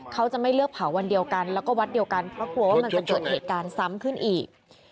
เขาจะไม่เลือกเผาวันเดียวกันแล้วก็วัดเดียวกันเพราะกลัวว่ามันจะเกิดเหตุการณ์ซ้ำขึ้นอีก